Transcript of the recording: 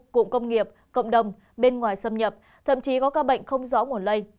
cụm công nghiệp cộng đồng bên ngoài xâm nhập thậm chí có ca bệnh không rõ nguồn lây